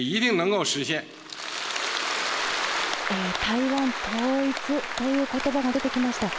台湾統一ということばが出てきました。